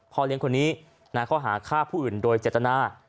เลี้ยงคนนี้เขาหาฆ่าผู้อื่นโดยเจตนา